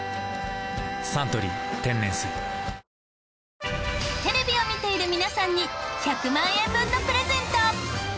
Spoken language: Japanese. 「サントリー天然水」テレビを見ている皆さんに１００万円分のプレゼント。